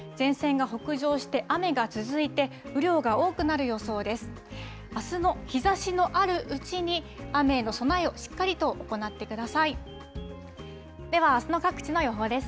前線が北上して雨が続いて雨量が多くなる予想です。